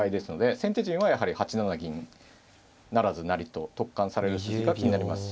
先手陣はやはり８七銀不成成りと突貫される筋が気になりますし。